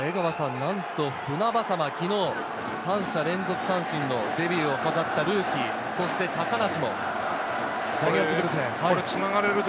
江川さん、なんと船迫、昨日、三者連続三振のデビューを飾ったルーキー、そして高梨もジャイアンツブルペン。